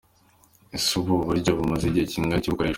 Ese ubu buryo bumaze igihe kingana iki bukoreshwa?.